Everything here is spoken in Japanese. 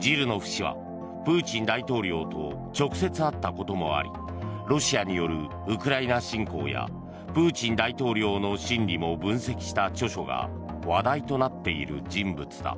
ジルノフ氏はプーチン大統領と直接会ったこともありロシアによるウクライナ侵攻やプーチン大統領の心理も分析した著書が話題となっている人物だ。